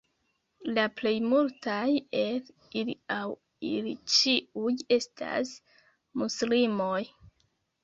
La plej multaj el ili aŭ ili ĉiuj estas muslimoj.